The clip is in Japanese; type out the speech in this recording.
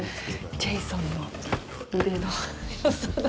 ジェイソンの腕のよさだ。